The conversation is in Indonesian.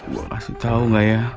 gue kasih tau gak ya